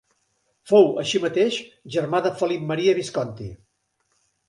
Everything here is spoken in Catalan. Fou, així mateix, germà de Felip Maria Visconti.